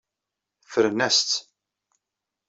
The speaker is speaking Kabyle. Ffren-as-tt.